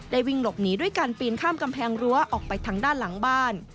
วิ่งหลบหนีด้วยการปีนข้ามกำแพงรั้วออกไปทางด้านหลังบ้าน